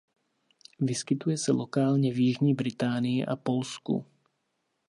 Vyskytuje se lokálně v jižní Británii a Polsku.